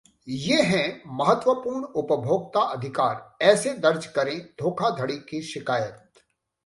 ये हैं महत्वपूर्ण उपभोक्ता अधिकार, ऐसे दर्ज करें धोखाधड़ी की शिकायत